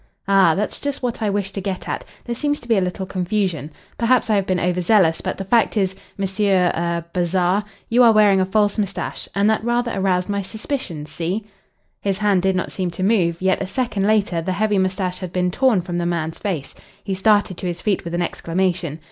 "Ah! that's just what I wish to get at. There seems to be a little confusion. Perhaps I have been over zealous, but the fact is, Monsieur er Bazarre, you are wearing a false moustache, and that rather aroused my suspicions see?" His hand did not seem to move, yet a second later the heavy moustache had been torn from the man's face. He started to his feet with an exclamation.